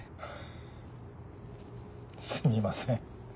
すみません。